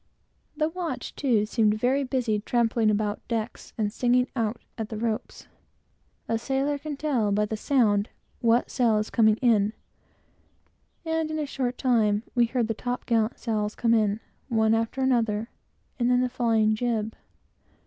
The watch, too, seemed very busy trampling about decks, and singing out at the ropes. A sailor can always tell, by the sound, what sail is coming in, and, in a short time, we heard the top gallant sails come in, one after another, and then the flying jib.